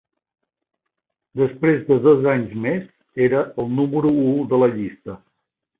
Després de dos anys més, era el número u de la llista.